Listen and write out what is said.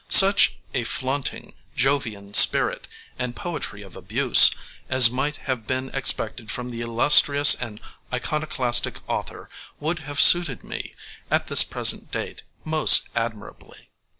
Such a flaunting, Jovian spirit, and poetry of abuse as might have been expected from the illustrious and iconoclastic author would have suited me, at this present date, most admirably.